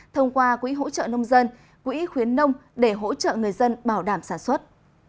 thông qua quỹ hỗ trợ nông dân quỹ khuyến nông để hỗ trợ người dân bảo đảm sản xuất